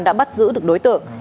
đã bắt giữ được đối tượng